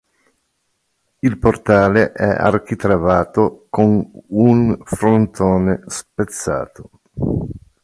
Il portale è architravato con un frontone spezzato.